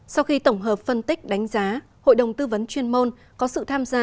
sau khi tổng hợp phân tích đánh giá hội đồng tư vấn chuyên môn có sự tham gia